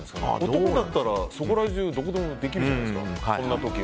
男だったらそこら中、どこでもできるじゃないですか。